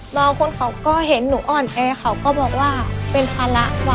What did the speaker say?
บางคนเขาก็เห็นหนูอ่อนแอเขาก็บอกว่าเป็นภาระว่